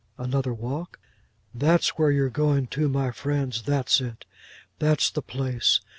'—Another walk: 'That's where you're going to, my friends. That's it. That's the place.